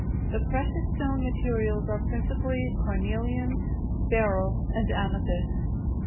The precious stone materials are principally carnelian, beryl, and amethyst.